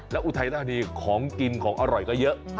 แล้วอุทัยธานีของกินของอร่อยก็เยอะ